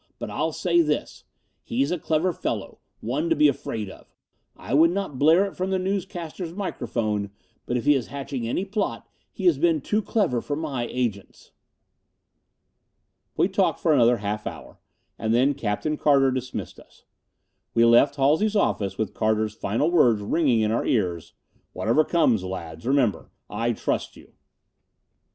But I'll say this: he's a clever fellow, one to be afraid of. I would not blare it from the newscasters' microphone, but if he is hatching any plot, he has been too clever for my agents." We talked for another half hour, and then Captain Carter dismissed us. We left Halsey's office with Carter's final words ringing in our ears. "Whatever comes, lads, remember I trust you...."